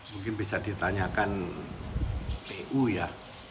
mungkin bisa ditanyakan pu ya